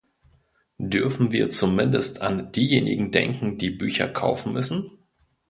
Dürfen wir zumindest an diejenigen denken, die Bücher kaufen müssen?